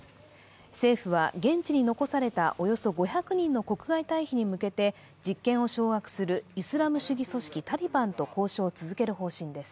政府は現地に残されたおよそ５００人の国外退避に向けて実権を掌握するイスラム主義組織タリバンと交渉を続ける方針です。